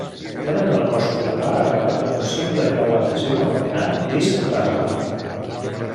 Tenen el cos tubular acabat per un simple peu adhesiu anomenat disc basal.